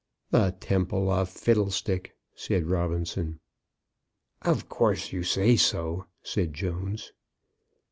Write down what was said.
"The Temple of Fiddlestick!" said Robinson. "Of course you say so," said Jones.